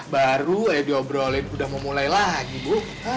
baru ya diobrolin udah mau mulai lagi bu